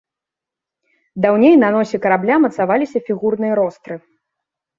Даўней на носе карабля мацаваліся фігурныя ростры.